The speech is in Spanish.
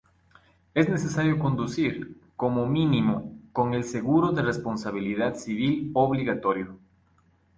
Es necesario conducir, como mínimo, con el seguro de responsabilidad civil obligatorio.